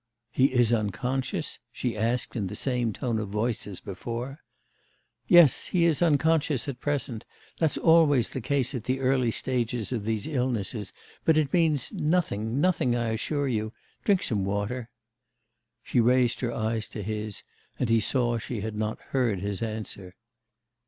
'He is unconscious?' she asked in the same tone of voice as before. 'Yes, he is unconscious at present. That's always the case at the early stage of these illnesses, but it means nothing, nothing I assure you. Drink some water.' She raised her eyes to his, and he saw she had not heard his answer.